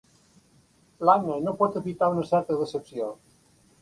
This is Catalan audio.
L'Anna no pot evitar una certa decepció.